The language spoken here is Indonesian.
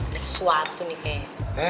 ada suara itu nih kayaknya